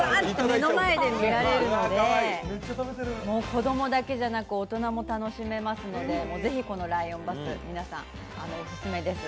目の前でみられるので子供だけじゃなく大人も楽しめますので、ぜひこのライオンバス皆さん、オススメです。